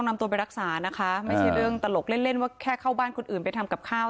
ไม่ใช่เรื่องตลกเล่นว่าแค่เข้าบ้านคนอื่นไปทำกับข้าว